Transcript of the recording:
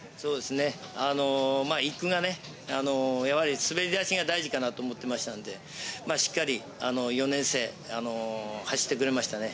１区の滑り出しが大事だと思っていましたので、しっかり４年生が走ってくれました。